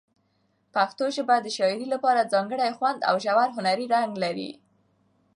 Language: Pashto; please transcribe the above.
پښتو ژبه د شاعرۍ لپاره ځانګړی خوند او ژور هنري رنګ لري.